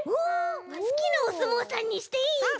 すきなおすもうさんにしていいんだ！